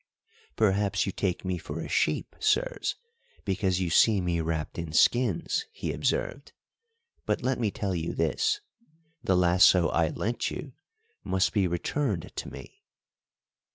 "Perhaps you take me for a sheep, sirs, because you see me wrapped in skins," he observed; "but let me tell you this, the lasso I lent you must be returned to me."